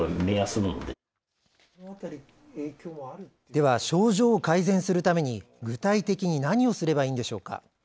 では症状を改善するために具体的に何をすればいいんでしょうか。